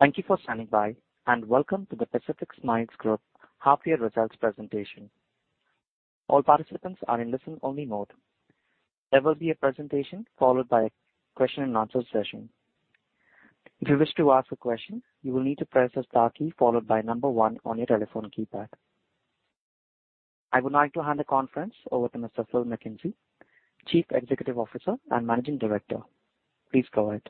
Thank you for standing by, and welcome to the Pacific Smiles Group half-year results presentation. All participants are in listen-only mode. There will be a presentation followed by a Q&A session. If you wish to ask a question, you will need to press the star key followed by one on your telephone keypad. I would like to hand the conference over to Mr. Phil McKenzie, Chief Executive Officer and Managing Director. Please go ahead.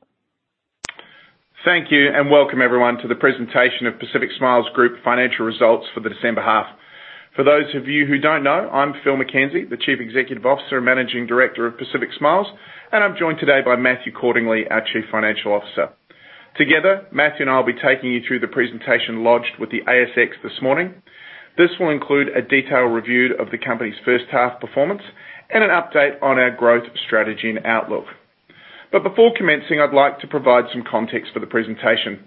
Thank you and welcome everyone to the presentation of Pacific Smiles Group financial results for the December half. For those of you who don't know, I'm Phil McKenzie, the Chief Executive Officer and Managing Director of Pacific Smiles, and I'm joined today by Matthew Cordingley, our Chief Financial Officer. Together, Matthew and I will be taking you through the presentation lodged with the ASX this morning. This will include a detailed review of the company's first half performance and an update on our growth strategy and outlook. Before commencing, I'd like to provide some context for the presentation.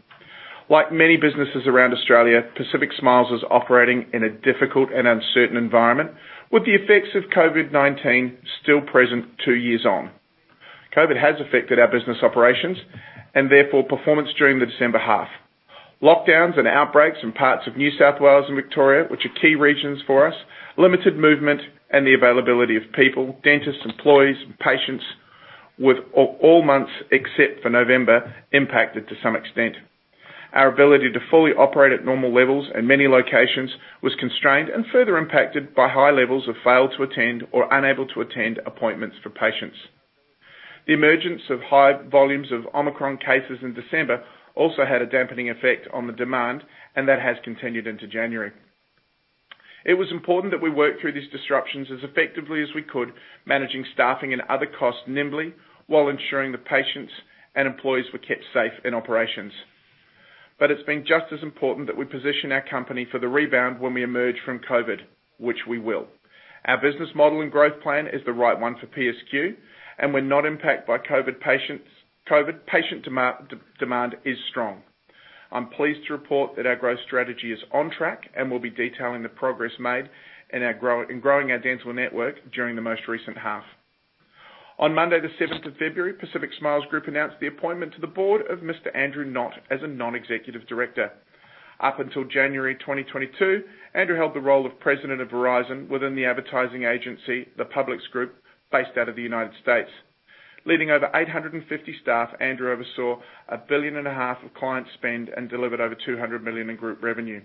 Like many businesses around Australia, Pacific Smiles is operating in a difficult and uncertain environment, with the effects of COVID-19 still present two years on. COVID has affected our business operations and therefore performance during the December half. Lockdowns and outbreaks in parts of New South Wales and Victoria, which are key regions for us, limited movement and the availability of people, dentists, employees, and patients, with all months except for November impacted to some extent. Our ability to fully operate at normal levels in many locations was constrained and further impacted by high levels of fail to attend or unable to attend appointments for patients. The emergence of high volumes of Omicron cases in December also had a dampening effect on the demand, and that has continued into January. It was important that we work through these disruptions as effectively as we could, managing staffing and other costs nimbly while ensuring the patients and employees were kept safe in operations. It's been just as important that we position our company for the rebound when we emerge from COVID, which we will. Our business model and growth plan is the right one for PSQ, and when not impacted by COVID, patient demand is strong. I'm pleased to report that our growth strategy is on track, and we'll be detailing the progress made in growing our dental network during the most recent half. On Monday, the 7th February, Pacific Smiles Group announced the appointment to the board of Mr. Andrew Knott as a non-executive director. Up until January 2022, Andrew held the role of President of Verizon within the advertising agency, Publicis Groupe, based out of the United States. Leading over 850 staff, Andrew oversaw $1.5 billion of client spend and delivered over $200 million in group revenue.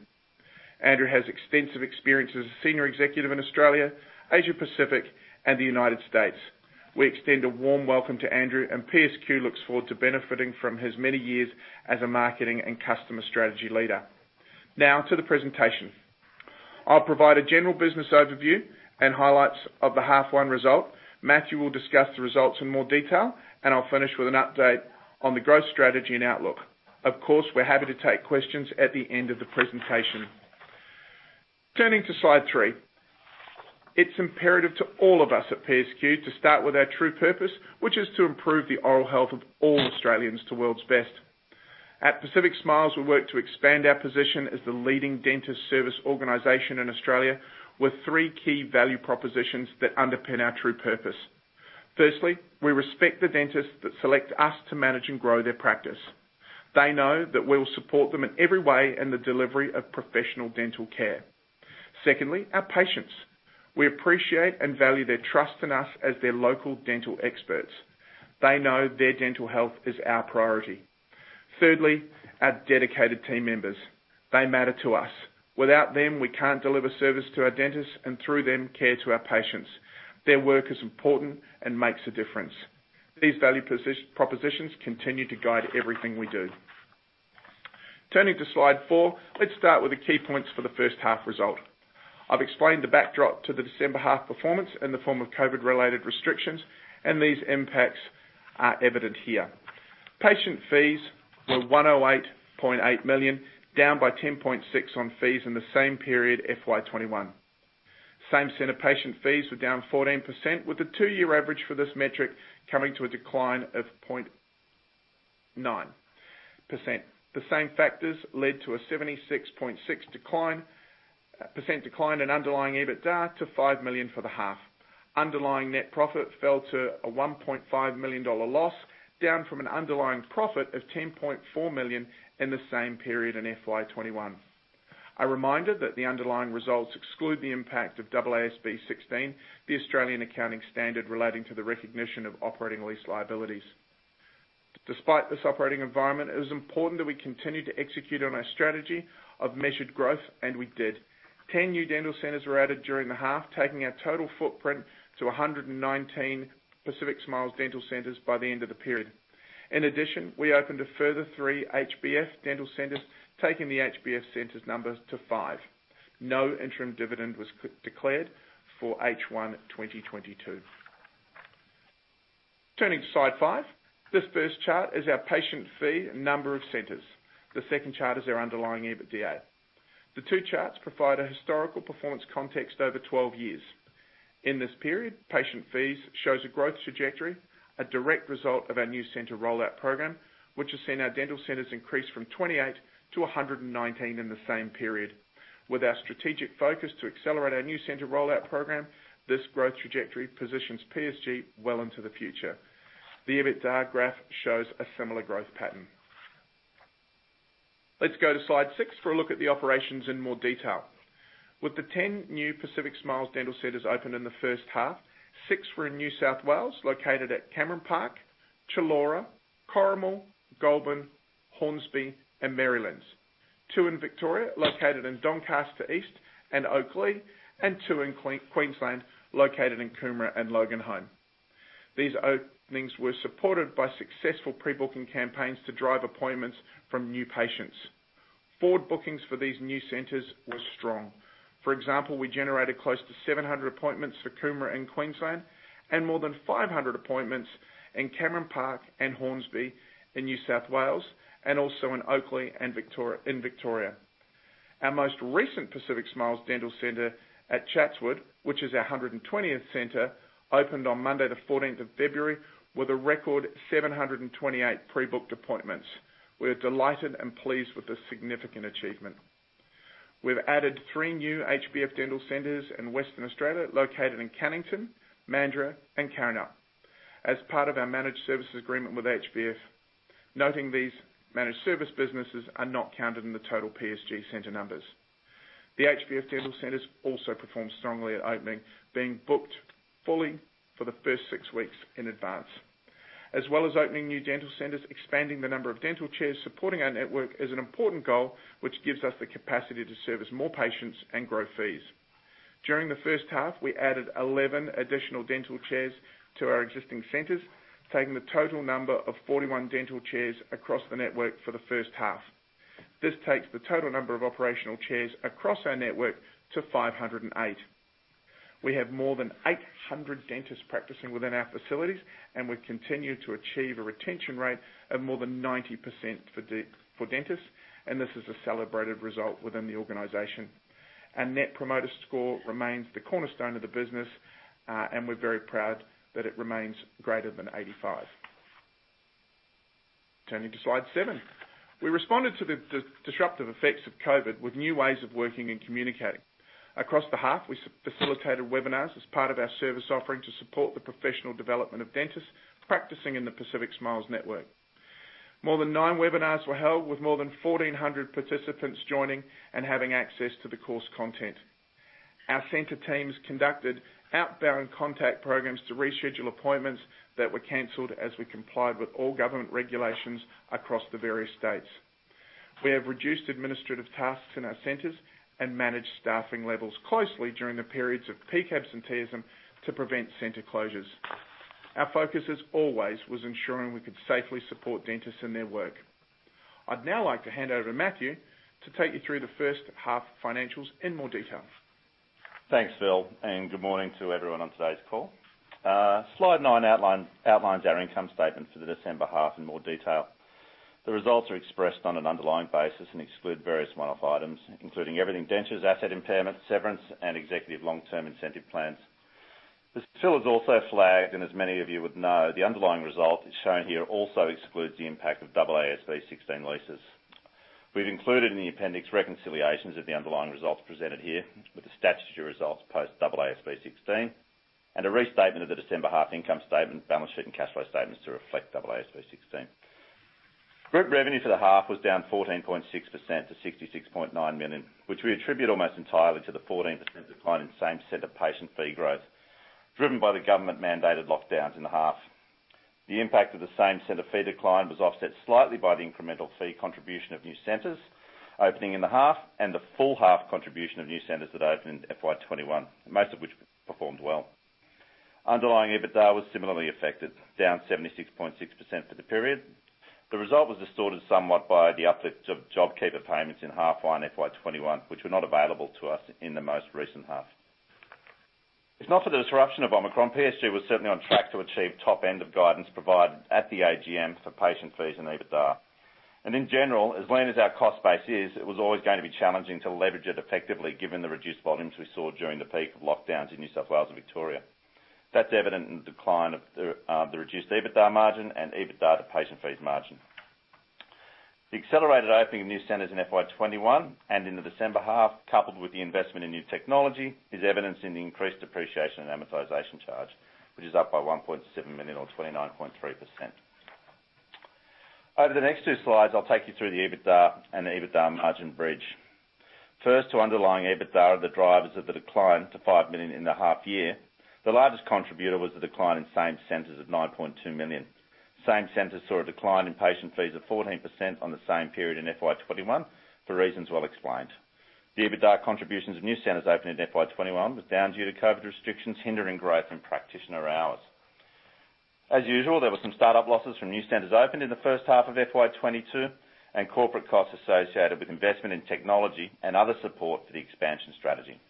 Andrew has extensive experience as a senior executive in Australia, Asia Pacific, and the United States. We extend a warm welcome to Andrew, and PSQ looks forward to benefiting from his many years as a marketing and customer strategy leader. Now, to the presentation. I'll provide a general business overview and highlights of the half one result. Matthew will discuss the results in more detail, and I'll finish with an update on the growth strategy and outlook. Of course, we're happy to take questions at the end of the presentation. Turning to slide three. It's imperative to all of us at PSQ to start with our true purpose, which is to improve the oral health of all Australians to world's best. At Pacific Smiles, we work to expand our position as the leading dentist service organization in Australia with three key value propositions that underpin our true purpose. Firstly, we respect the dentists that select us to manage and grow their practice. They know that we'll support them in every way in the delivery of professional dental care. Secondly, our patients. We appreciate and value their trust in us as their local dental experts. They know their dental health is our priority. Thirdly, our dedicated team members. They matter to us. Without them, we can't deliver service to our dentists and through them, care to our patients. Their work is important and makes a difference. These value propositions continue to guide everything we do. Turning to slide four, let's start with the key points for the first half result. I've explained the backdrop to the December half performance in the form of COVID-related restrictions, and these impacts are evident here. Patient fees were 108.8 million, down by 10.6 million on fees in the same period, FY 2021. Same-center patient fees were down 14%, with the two-year average for this metric coming to a decline of 0.9%. The same factors led to a 76.6% decline in underlying EBITDA to 5 million for the half. Underlying net profit fell to a 1.5 million dollar loss, down from an underlying profit of 10.4 million in the same period in FY 2021. A reminder that the underlying results exclude the impact of AASB 16, the Australian accounting standard relating to the recognition of operating lease liabilities. Despite this operating environment, it is important that we continue to execute on our strategy of measured growth, and we did. 10 new dental centers were added during the half, taking our total footprint to 119 Pacific Smiles dental centers by the end of the period. In addition, we opened a further three HBF Dental centers, taking the HBF centers number to five. No interim dividend was declared for H1 2022. Turning to slide five. This first chart is our patient fee and number of centers. The second chart is our underlying EBITDA. The two charts provide a historical performance context over 12 years. In this period, patient fees shows a growth trajectory, a direct result of our new center rollout program, which has seen our dental centers increase from 28 to 119 in the same period. With our strategic focus to accelerate our new center rollout program, this growth trajectory positions PSG well into the future. The EBITDA graph shows a similar growth pattern. Let's go to slide six for a look at the operations in more detail. With the 10 new Pacific Smiles Dental centers opened in the first half, six were in New South Wales, located at Cameron Park, Chullora, Corrimal, Goulburn, Hornsby, and Merrylands. two in Victoria, located in Doncaster East and Oakleigh, and two in Queensland, located in Coomera and Loganholme. These openings were supported by successful pre-booking campaigns to drive appointments from new patients. Forward bookings for these new centers were strong. For example, we generated close to 700 appointments for Coomera and Queensland, and more than 500 appointments in Cameron Park and Hornsby in New South Wales, and also in Oakleigh in Victoria. Our most recent Pacific Smiles Dental center at Chatswood, which is our 120th center, opened on Monday the 14th of February with a record 728 pre-booked appointments. We are delighted and pleased with this significant achievement. We've added three new HBF Dental centers in Western Australia, located in Cannington, Mandurah, and Joondalup, as part of our managed services agreement with HBF, noting these managed service businesses are not counted in the total PSG center numbers. The HBF Dental centers also performed strongly at opening, being booked fully for the first six weeks in advance. As well as opening new dental centers, expanding the number of dental chairs supporting our network is an important goal, which gives us the capacity to service more patients and grow fees. During the first half, we added 11 additional dental chairs to our existing centers, taking the total number of 41 dental chairs across the network for the first half. This takes the total number of operational chairs across our network to 508. We have more than 800 dentists practicing within our facilities, and we continue to achieve a retention rate of more than 90% for dentists, and this is a celebrated result within the organization. Our Net Promoter Score remains the cornerstone of the business, and we're very proud that it remains greater than 85. Turning to slide seven. We responded to the disruptive effects of COVID with new ways of working and communicating. Across the half, we facilitated webinars as part of our service offering to support the professional development of dentists practicing in the Pacific Smiles network. More than nine webinars were held with more than 1,400 participants joining and having access to the course content. Our center teams conducted outbound contact programs to reschedule appointments that were canceled as we complied with all government regulations across the various states. We have reduced administrative tasks in our centers and managed staffing levels closely during the periods of peak absenteeism to prevent center closures. Our focus, as always, was ensuring we could safely support dentists in their work. I'd now like to hand over to Matthew to take you through the first half financials in more detail. Thanks, Phil, and good morning to everyone on today's call. Slide nine outlines our income statement for the December half in more detail. The results are expressed on an underlying basis and exclude various one-off items, including Everything Dentures, asset impairment, severance, and executive long-term incentive plans. As Phil has also flagged, and as many of you would know, the underlying result as shown here also excludes the impact of AASB 16 leases. We've included in the appendix reconciliations of the underlying results presented here with the statutory results post AASB 16, and a restatement of the December half income statement, balance sheet, and cash flow statements to reflect AASB 16. Group revenue for the half was down 14.6% to 66.9 million, which we attribute almost entirely to the 14% decline in same-center patient fee growth, driven by the government-mandated lockdowns in the half. The impact of the same-center fee decline was offset slightly by the incremental fee contribution of new centers opening in the half and the full half contribution of new centers that opened in FY 2021, most of which performed well. Underlying EBITDA was similarly affected, down 76.6% for the period. The result was distorted somewhat by the uplift of JobKeeper payments in half one FY 2021, which were not available to us in the most recent half. If not for the disruption of Omicron, PSG was certainly on track to achieve top end of guidance provided at the AGM for patient fees and EBITDA. In general, as lean as our cost base is, it was always going to be challenging to leverage it effectively given the reduced volumes we saw during the peak of lockdowns in New South Wales and Victoria. That's evident in the decline of the reduced EBITDA margin and EBITDA to patient fees margin. The accelerated opening of new centers in FY 2021 and in the December half, coupled with the investment in new technology, is evidenced in the increased depreciation and amortization charge, which is up by 1.7 million or 29.3%. Over the next two slides, I'll take you through the EBITDA and EBITDA margin bridge, first to underlying EBITDA, the drivers of the decline to 5 million in the half year. The largest contributor was the decline in same centers of 9.2 million. Same centers saw a decline in patient fees of 14% on the same period in FY 2021 for reasons well explained. The EBITDA contributions of new centers opening in FY 2021 was down due to COVID restrictions hindering growth in practitioner hours. As usual, there were some start-up losses from new centers opened in the first half of FY 2022 and corporate costs associated with investment in technology and other support for the expansion strategy.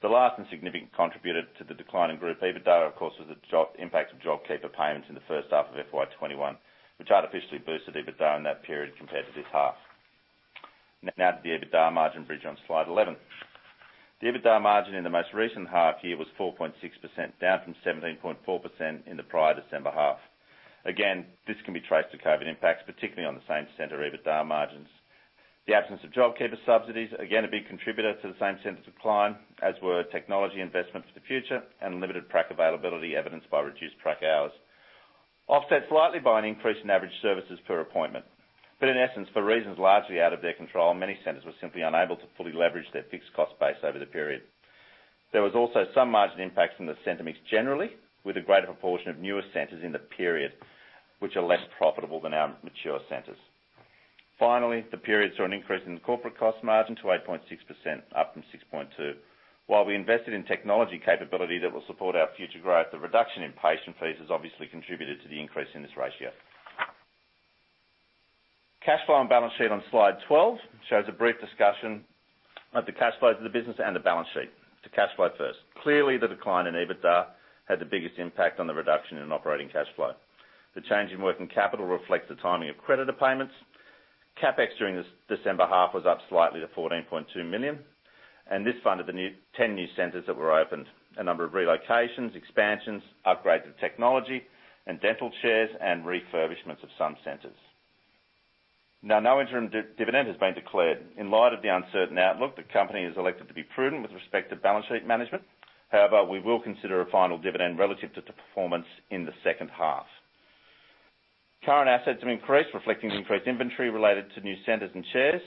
The last and significant contributor to the decline in group EBITDA, of course, was the impact of JobKeeper payments in the first half of FY 2021, which artificially boosted EBITDA in that period compared to this half. Now to the EBITDA margin bridge on slide 11. The EBITDA margin in the most recent half year was 4.6%, down from 17.4% in the prior December half. This can be traced to COVID impacts, particularly on the same center EBITDA margins. The absence of JobKeeper subsidies, again, a big contributor to the same centers decline, as were technology investments for the future and limited track availability evidenced by reduced track hours, offset slightly by an increase in average services per appointment. In essence, for reasons largely out of their control, many centers were simply unable to fully leverage their fixed cost base over the period. There was also some margin impact from the center mix generally, with a greater proportion of newer centers in the period, which are less profitable than our mature centers. Finally, the periods saw an increase in the corporate cost margin to 8.6%, up from 6.2%. While we invested in technology capability that will support our future growth, the reduction in patient fees has obviously contributed to the increase in this ratio. Cash flow and balance sheet on slide 12 shows a brief discussion of the cash flows of the business and the balance sheet. To cash flow first. Clearly, the decline in EBITDA had the biggest impact on the reduction in operating cash flow. The change in working capital reflects the timing of creditor payments. CapEx during this December half was up slightly to 14.2 million, and this funded the 10 new centers that were opened, a number of relocations, expansions, upgrades of technology and dental chairs, and refurbishments of some centers. Now, no interim dividend has been declared. In light of the uncertain outlook, the company has elected to be prudent with respect to balance sheet management. However, we will consider a final dividend relative to the performance in the second half. Current assets have increased, reflecting the increased inventory related to new centers and chairs.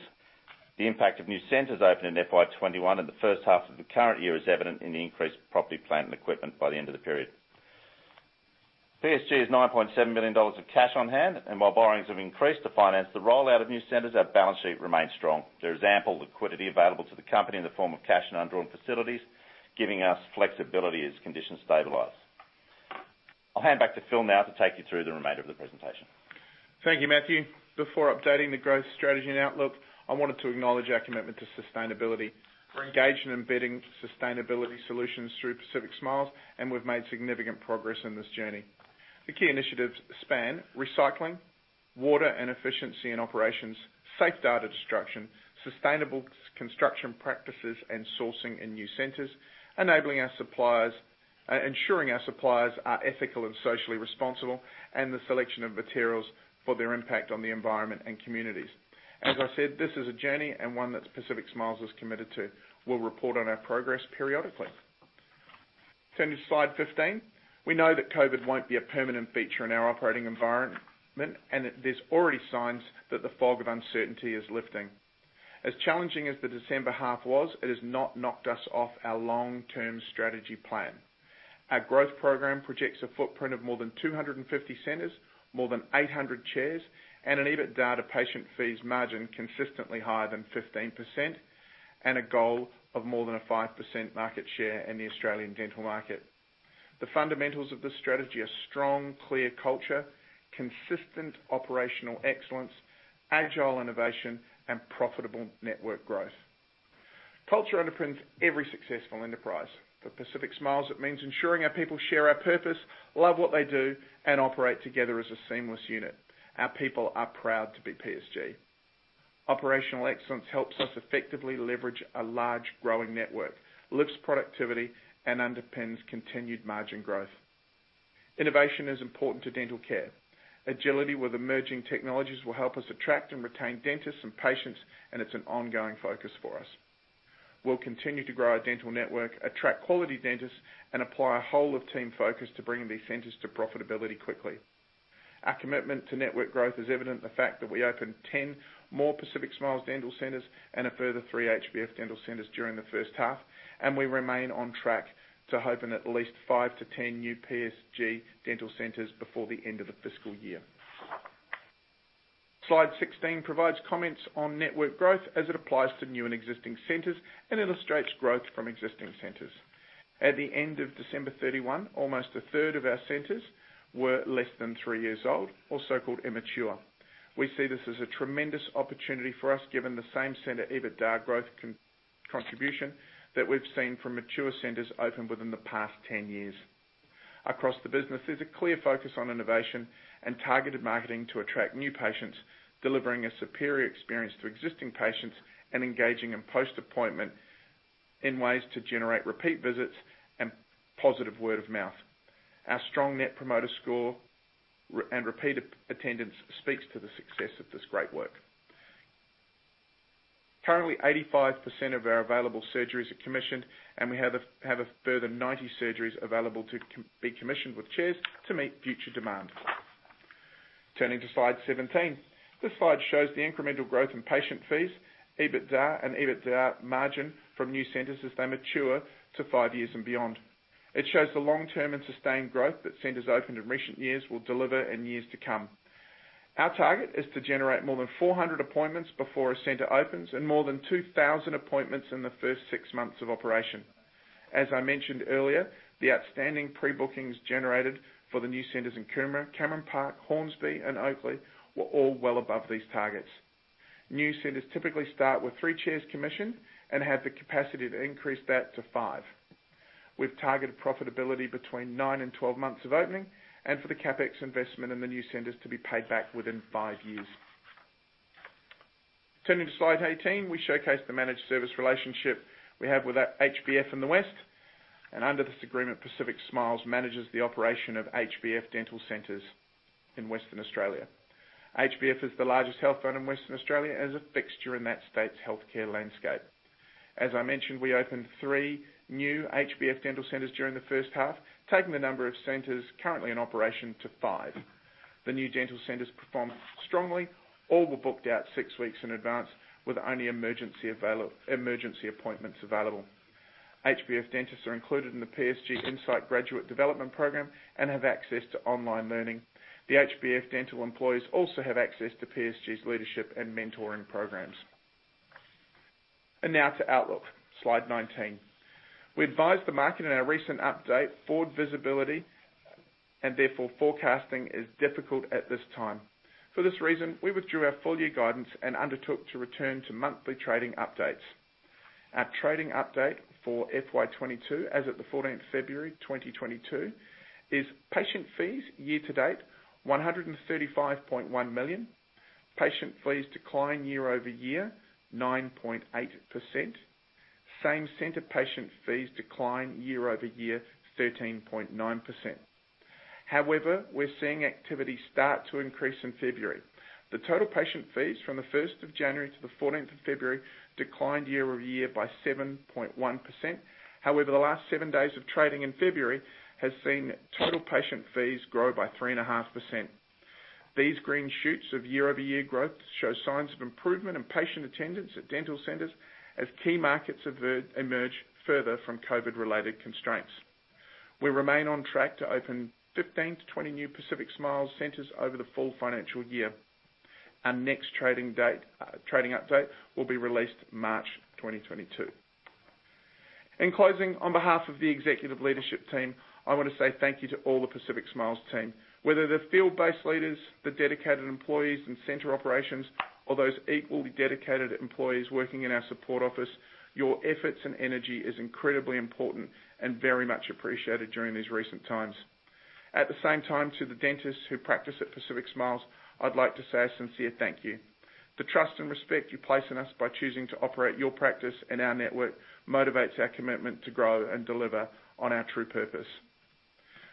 The impact of new centers opened in FY 2021 and the first half of the current year is evident in the increased property, plant and equipment by the end of the period. PSG has 9.7 million dollars of cash on hand, and while borrowings have increased to finance the rollout of new centers, our balance sheet remains strong. There is ample liquidity available to the company in the form of cash and undrawn facilities, giving us flexibility as conditions stabilize. I'll hand back to Phil now to take you through the remainder of the presentation. Thank you, Matthew. Before updating the growth strategy and outlook, I wanted to acknowledge our commitment to sustainability. We're engaged in embedding sustainability solutions through Pacific Smiles, and we've made significant progress in this journey. The key initiatives span recycling, water and efficiency in operations, safe data destruction, sustainable construction practices and sourcing in new centers, enabling our suppliers, ensuring our suppliers are ethical and socially responsible, and the selection of materials for their impact on the environment and communities. As I said, this is a journey and one that Pacific Smiles is committed to. We'll report on our progress periodically. Turning to slide 15. We know that COVID won't be a permanent feature in our operating environment, and that there's already signs that the fog of uncertainty is lifting. As challenging as the December half was, it has not knocked us off our long-term strategy plan. Our growth program projects a footprint of more than 250 centers, more than 800 chairs, and an EBITDA to patient fees margin consistently higher than 15%, and a goal of more than 5% market share in the Australian dental market. The fundamentals of this strategy are strong, clear culture, consistent operational excellence, agile innovation, and profitable network growth. Culture underpins every successful enterprise. For Pacific Smiles, it means ensuring our people share our purpose, love what they do, and operate together as a seamless unit. Our people are proud to be PSG. Operational excellence helps us effectively leverage a large growing network, lifts productivity, and underpins continued margin growth. Innovation is important to dental care. Agility with emerging technologies will help us attract and retain dentists and patients, and it's an ongoing focus for us. We'll continue to grow our dental network, attract quality dentists, and apply a whole of team focus to bringing these centers to profitability quickly. Our commitment to network growth is evident in the fact that we opened 10 more Pacific Smiles dental centers and a further three HBF dental centers during the first half, and we remain on track to open at least 5-10 new PSG dental centers before the end of the fiscal year. Slide 16 provides comments on network growth as it applies to new and existing centers and illustrates growth from existing centers. At the end of December 31, almost a third of our centers were less than three years old, or so-called immature. We see this as a tremendous opportunity for us, given the same center EBITDA growth contribution that we've seen from mature centers opened within the past 10 years. Across the business, there's a clear focus on innovation and targeted marketing to attract new patients, delivering a superior experience to existing patients, and engaging in post-appointment in ways to generate repeat visits and positive word of mouth. Our strong Net Promoter Score and repeat attendance speaks to the success of this great work. Currently, 85% of our available surgeries are commissioned, and we have a further 90 surgeries available to be commissioned with chairs to meet future demand. Turning to slide 17. This slide shows the incremental growth in patient fees, EBITDA, and EBITDA margin from new centers as they mature to five years and beyond. It shows the long-term and sustained growth that centers opened in recent years will deliver in years to come. Our target is to generate more than 400 appointments before a center opens and more than 2,000 appointments in the first six months of operation. As I mentioned earlier, the outstanding pre-bookings generated for the new centers in Coomera, Cameron Park, Hornsby, and Oakleigh were all well above these targets. New centers typically start with three chairs commissioned and have the capacity to increase that to five. We've targeted profitability between 9 months-12 months of opening and for the CapEx investment in the new centers to be paid back within five years. Turning to Slide 18, we showcase the managed service relationship we have with HBF in the west. Under this agreement, Pacific Smiles manages the operation of HBF Dental Centers in Western Australia. HBF is the largest health fund in Western Australia and is a fixture in that state's healthcare landscape. As I mentioned, we opened three new HBF Dental Centers during the first half, taking the number of centers currently in operation to five. The new dental centers performed strongly. All were booked out six weeks in advance with only emergency appointments available. HBF dentists are included in the PSG Insight Graduate Program and have access to online learning. The HBF dental employees also have access to PSG's leadership and mentoring programs. Now to outlook. Slide 19. We advised the market in our recent update, forward visibility, and therefore forecasting is difficult at this time. For this reason, we withdrew our full year guidance and undertook to return to monthly trading updates. Our trading update for FY 2022, as of the 14th of February 2022, is patient fees year to date, 135.1 million. Patient fees decline year over year, 9.8%. Same center patient fees decline year over year, 13.9%. However, we're seeing activity start to increase in February. The total patient fees from the first of January to the fourteenth of February declined year over year by 7.1%. However, the last seven days of trading in February has seen total patient fees grow by 3.5%. These green shoots of year-over-year growth show signs of improvement in patient attendance at dental centers as key markets emerge further from COVID-19-related constraints. We remain on track to open 15-20 new Pacific Smiles centers over the full financial year. Our next trading date, trading update will be released March 2022. In closing, on behalf of the executive leadership team, I wanna say thank you to all the Pacific Smiles team. Whether they're field-based leaders, the dedicated employees in center operations, or those equally dedicated employees working in our support office, your efforts and energy is incredibly important and very much appreciated during these recent times. At the same time, to the dentists who practice at Pacific Smiles, I'd like to say a sincere thank you. The trust and respect you place in us by choosing to operate your practice in our network motivates our commitment to grow and deliver on our true purpose.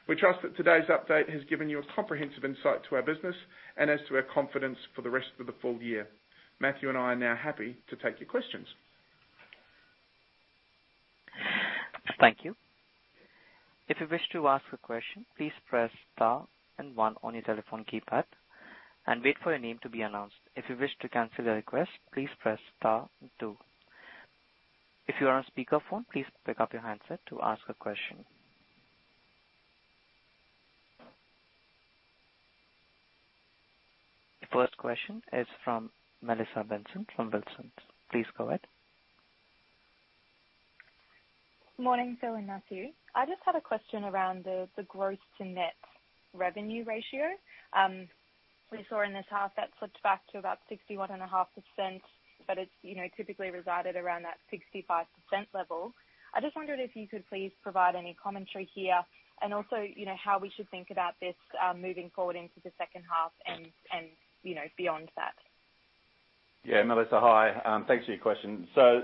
We trust that today's update has given you a comprehensive insight to our business and as to our confidence for the rest of the full year. Matthew and I are now happy to take your questions. Thank you. If you wish to ask a question, please press star and one on your telephone keypad and wait for your name to be announced. If you wish to cancel the request, please press star two. If you are on speakerphone, please pick up your handset to ask a question. The first question is from Melissa Benson, from Wilsons. Please go ahead. Morning, Phil and Matthew. I just had a question around the gross to net revenue ratio. We saw in this half that flipped back to about 61.5%, but it's, you know, typically resided around that 65% level. I just wondered if you could please provide any commentary here, and also, you know, how we should think about this moving forward into the second half and you know, beyond that. Yeah. Melissa, hi. Thanks for your question. So,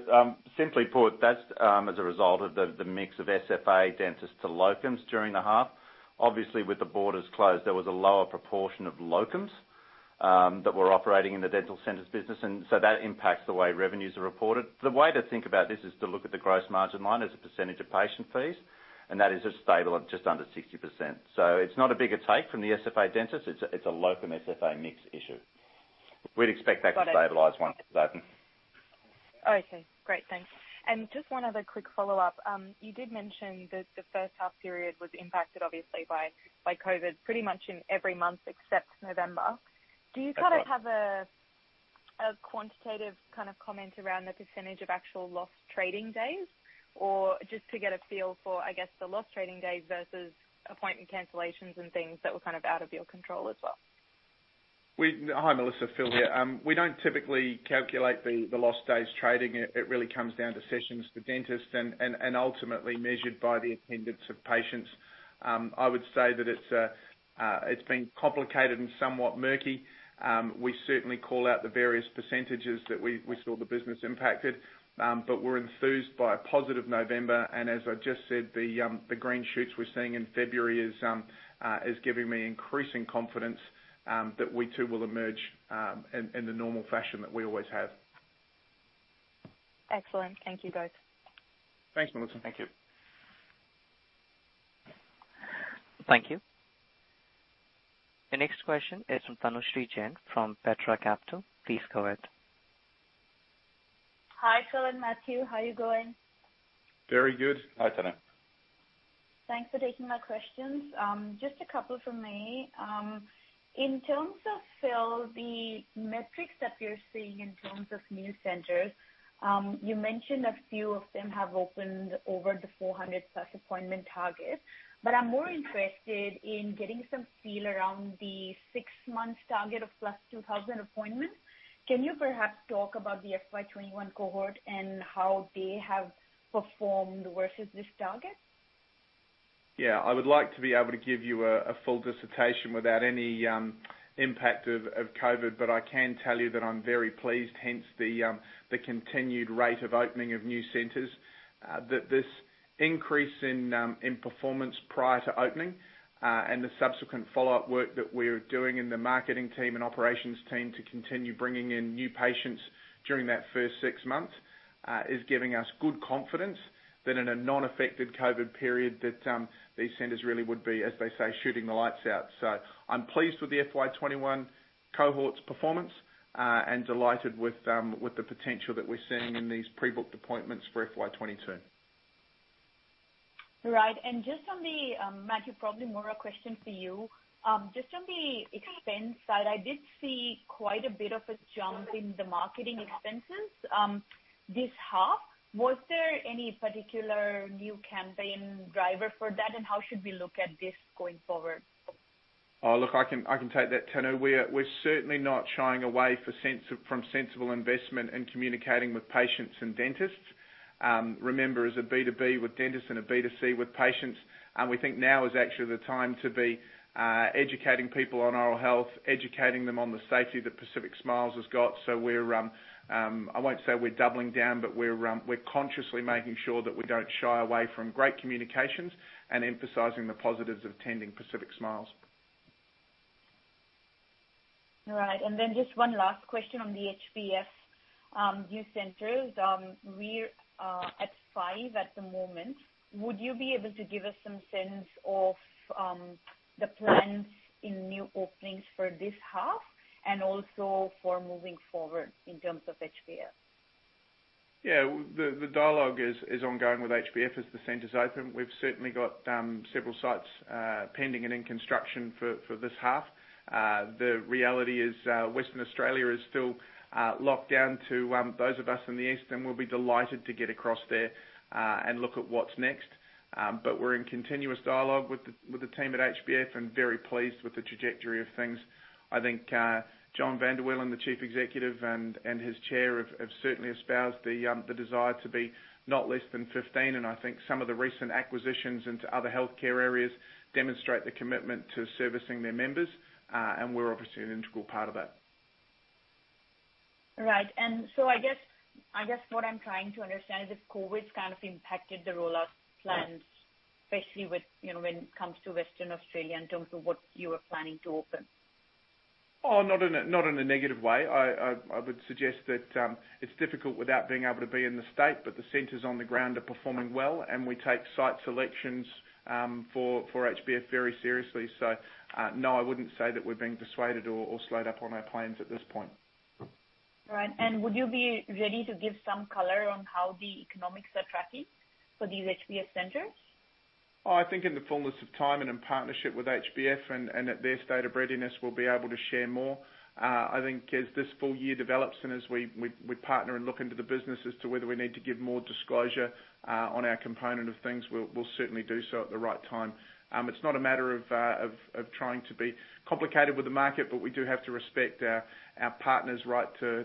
simply put, that's as a result of the mix of SFA dentists to locums during the half. Obviously, with the borders closed, there was a lower proportion of locums that were operating in the dental centers business. That impacts the way revenues are reported. The way to think about this is to look at the gross margin line as a percentage of patient fees, and that is just stable at just under 60%. It's not a bigger take from the SFA dentist. It's a locum SFA mix issue. We'd expect that... Got it. to stabilize once it's open. Okay, great. Thanks. Just one other quick follow-up. You did mention that the first half period was impacted obviously by COVID, pretty much in every month except November. That's right. Do you kind of have a quantitative kind of comment around the percentage of actual lost trading days? Or just to get a feel for, I guess, the lost trading days versus appointment cancellations and things that were kind of out of your control as well? Hi, Melissa. Phil here. We don't typically calculate the lost days trading. It really comes down to sessions to dentists and ultimately measured by the attendance of patients. I would say that it's been complicated and somewhat murky. We certainly call out the various percentages that we saw the business impacted. We're enthused by a positive November. As I just said, the green shoots we're seeing in February is giving me increasing confidence that we too will emerge in the normal fashion that we always have. Excellent. Thank you both. Thanks, Melissa. Thank you. The next question is from Tanushree Jain from Petra Capital. Please go ahead. Hi, Phil and Matthew. How are you going? Very good. Hi, Tanushree. Thanks for taking my questions. Just a couple from me. In terms of, Phil, the metrics that you're seeing in terms of new centers, you mentioned a few of them have opened over the 400+ appointment target. I'm more interested in getting some feel around the six-month target of +2,000 appointments. Can you perhaps talk about the FY 2021 cohort and how they have performed versus this target? Yeah, I would like to be able to give you a full dissertation without any impact of COVID, but I can tell you that I'm very pleased, hence the continued rate of opening of new centers. That this increase in performance prior to opening and the subsequent follow-up work that we're doing in the marketing team and operations team to continue bringing in new patients during that first six months is giving us good confidence that in a non-affected COVID period, these centers really would be, as they say, shooting the lights out. I'm pleased with the FY 2021 cohort's performance and delighted with the potential that we're seeing in these pre-booked appointments for FY 2022. Right. Just on the, Matt, probably more a question for you. Just on the expense side, I did see quite a bit of a jump in the marketing expenses, this half. Was there any particular new campaign driver for that, and how should we look at this going forward? Oh, look, I can take that, Tanushree. We're certainly not shying away from sensible investment in communicating with patients and dentists. Remember as a B2B with dentists and a B2C with patients, we think now is actually the time to be educating people on oral health, educating them on the safety that Pacific Smiles has got. I won't say we're doubling down, but we're consciously making sure that we don't shy away from great communications and emphasizing the positives of attending Pacific Smiles. All right. Just one last question on the HBF new centers. We're at five at the moment. Would you be able to give us some sense of the plans in new openings for this half and also for moving forward in terms of HBF? Yeah. The dialogue is ongoing with HBF as the centers open. We've certainly got several sites pending and in construction for this half. The reality is, Western Australia is still locked down to those of us in the east, and we'll be delighted to get across there and look at what's next. But we're in continuous dialogue with the team at HBF and very pleased with the trajectory of things. I think John Van Der Wielen, the Chief Executive, and his Chair have certainly espoused the desire to be not less than 15. I think some of the recent acquisitions into other healthcare areas demonstrate the commitment to servicing their members, and we're obviously an integral part of that. Right. I guess what I'm trying to understand is if COVID kind of impacted the rollout plans, especially with, you know, when it comes to Western Australia in terms of what you were planning to open? Oh, not in a negative way. I would suggest that it's difficult without being able to be in the state, but the centers on the ground are performing well, and we take site selections for HBF very seriously. No, I wouldn't say that we're being persuaded or slowed up on our plans at this point. Right. Would you be ready to give some color on how the economics are tracking for these HBF centers? I think in the fullness of time and in partnership with HBF and at their state of readiness, we'll be able to share more. I think as this full year develops and as we partner and look into the business as to whether we need to give more disclosure on our component of things, we'll certainly do so at the right time. It's not a matter of trying to be complicated with the market, but we do have to respect our partners' right to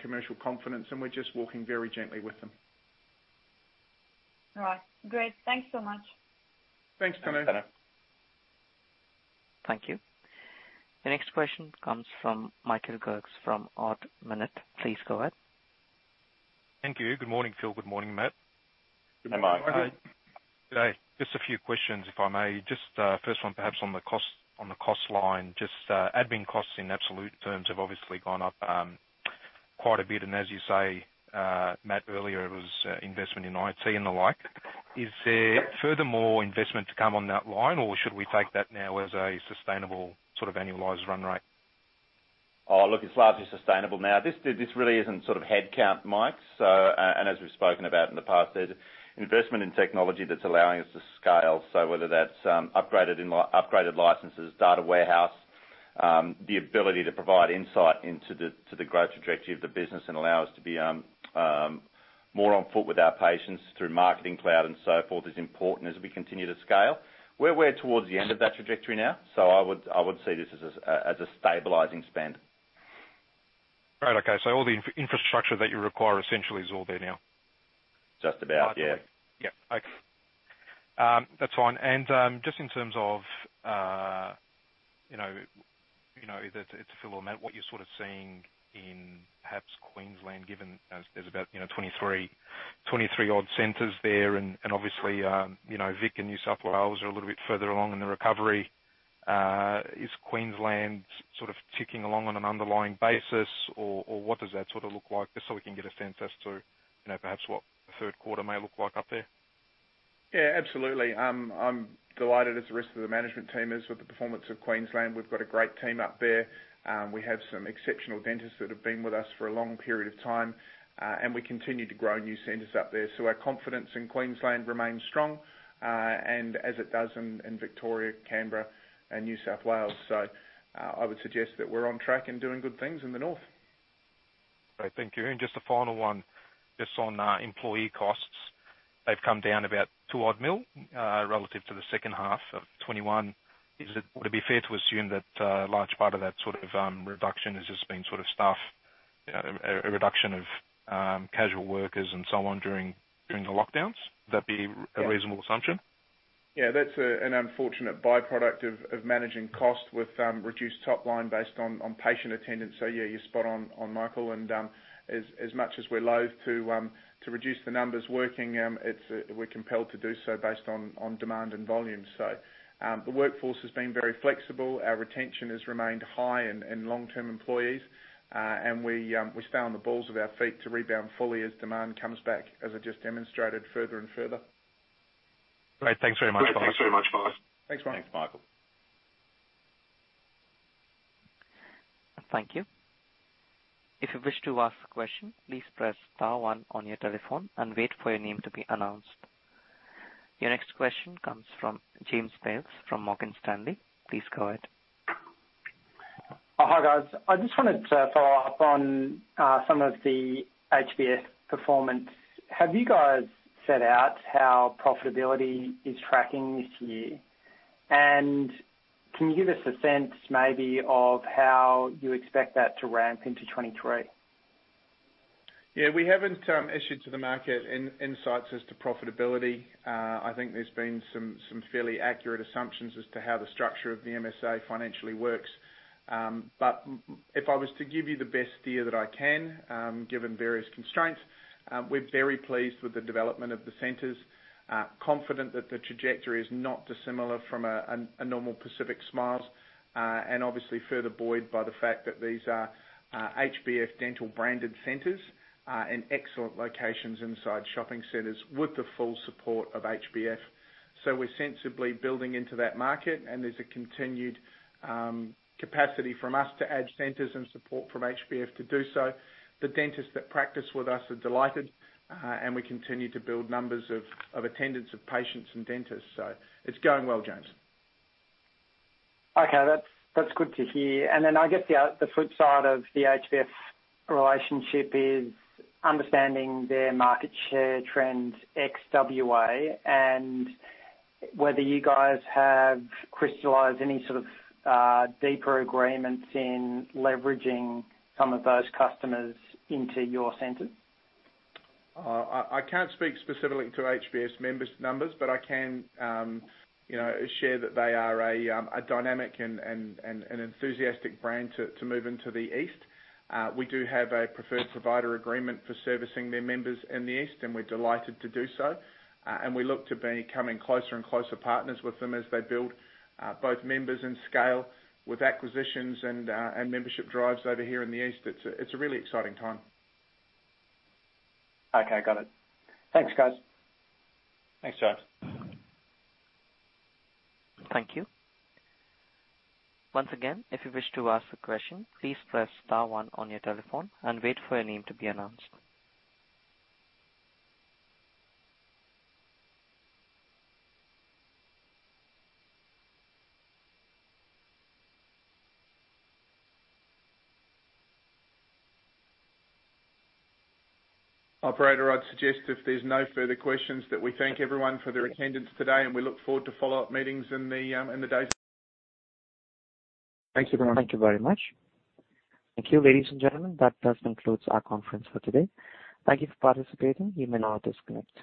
commercial confidence, and we're just walking very gently with them. Right. Great. Thanks so much. Thanks. Tanushree Thank you. The next question comes from Michael Gerges from Ord Minnett. Please go ahead. Thank you. Good morning, Phil. Good morning, Matt. Good day, Mike. Good day. Just a few questions, if I may. Just, first one perhaps on the cost line. Admin costs in absolute terms have obviously gone up quite a bit, and as you say, Matt, earlier, it was investment in IT and the like. Is there furthermore investment to come on that line, or should we take that now as a sustainable sort of annualized run rate? Oh, look, it's largely sustainable now. This really isn't sort of headcount, Mike. As we've spoken about in the past, there's investment in technology that's allowing us to scale. Whether that's upgraded licenses, data warehouse, the ability to provide insight into the growth trajectory of the business and allow us to be more on foot with our patients through Marketing Cloud and so forth is important as we continue to scale. We're towards the end of that trajectory now. I would see this as a stabilizing spend. Right. Okay. All the infrastructure that you require essentially is all there now? Just about, yeah. Yeah. Okay. That's fine. Just in terms of, you know, either to Phil or Matt, what you're sort of seeing in perhaps Queensland, given as there's about, you know, 23 odd centers there and obviously, you know, Vic and New South Wales are a little bit further along in the recovery. Is Queensland sort of ticking along on an underlying basis or what does that sort of look like? Just so we can get a sense as to, you know, perhaps what the third quarter may look like up there. Yeah, absolutely. I'm delighted as the rest of the management team is with the performance of Queensland. We've got a great team up there. We have some exceptional dentists that have been with us for a long period of time, and we continue to grow new centers up there. Our confidence in Queensland remains strong, and as it does in Victoria, Canberra, and New South Wales. I would suggest that we're on track and doing good things in the north. Great. Thank you. Just a final one, just on employee costs. They've come down about 2 million relative to the second half of 2021. Would it be fair to assume that a large part of that sort of reduction has just been sort of staff, a reduction of casual workers and so on during the lockdowns. Would that be? Yeah. A reasonable assumption? Yeah, that's an unfortunate by-product of managing cost with reduced top line based on patient attendance. Yeah, you're spot on, Michael. As much as we're loathe to reduce the numbers working, we're compelled to do so based on demand and volume. The workforce has been very flexible. Our retention has remained high in long-term employees. We stand on the balls of our feet to rebound fully as demand comes back, as I just demonstrated further and further. Great. Thanks very much. Thanks, Michael. Thanks, Michael. Thank you. If you wish to ask a question, please press star one on your telephone and wait for your name to be announced. Your next question comes from James Bales from Morgan Stanley. Please go ahead. Oh, hi, guys. I just wanted to follow up on some of the HBF performance. Have you guys set out how profitability is tracking this year? Can you give us a sense maybe of how you expect that to ramp into 2023? Yeah. We haven't issued to the market insights as to profitability. I think there's been some fairly accurate assumptions as to how the structure of the MSA financially works. If I was to give you the best steer that I can, given various constraints, we're very pleased with the development of the centers, confident that the trajectory is not dissimilar from a normal Pacific Smiles. Obviously further buoyed by the fact that these are HBF Dental branded centers, and excellent locations inside shopping centers with the full support of HBF. We're sensibly building into that market, and there's a continued capacity from us to add centers and support from HBF to do so. The dentists that practice with us are delighted, and we continue to build numbers of attendance of patients and dentists. It's going well, James. Okay. That's good to hear. I guess the flip side of the HBF relationship is understanding their market share trends ex-WA and whether you guys have crystallized any sort of deeper agreements in leveraging some of those customers into your centers. I can't speak specifically to HBF's members' numbers, but I can, you know, share that they are a dynamic and an enthusiastic brand to move into the East. We do have a preferred provider agreement for servicing their members in the East, and we're delighted to do so. We look to be becoming closer and closer partners with them as they build both members and scale with acquisitions and membership drives over here in the East. It's a really exciting time. Okay. Got it. Thanks, guys. Thanks, James. Thank you. Once again, if you wish to ask a question, please press star one on your telephone and wait for your name to be announced. Operator, I'd suggest if there's no further questions that we thank everyone for their attendance today, and we look forward to follow-up meetings in the days. Thank you very much. Thank you, ladies and gentlemen. That does conclude our conference for today. Thank you for participating. You may now disconnect.